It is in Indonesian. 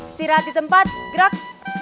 setirah di tempat gerak